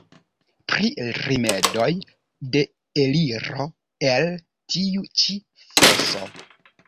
Pri rimedoj de eliro el tiu ĉi foso?